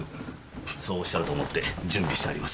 そうおっしゃると思って準備してあります。